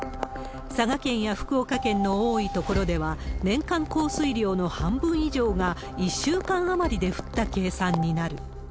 佐賀県や福岡県の多い所では、年間降水量の半分以上が１週間余りで降った計算になる。